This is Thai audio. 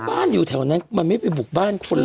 บ้านอยู่แถวนั้นมันไม่ไปบุกบ้านคนเหรอ